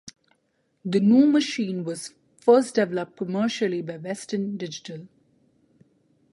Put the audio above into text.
The NuMachine was first developed commercially by Western Digital.